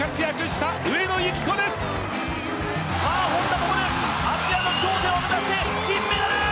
本多、ここでアジアの頂点を目指して金メダル！